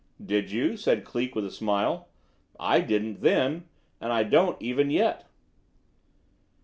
"Did you?" said Cleek with a smile. "I didn't, then; and I don't even yet!"